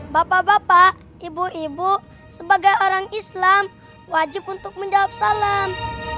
bapak bapak ibu ibu sebagai orang islam wajib untuk menjawab salam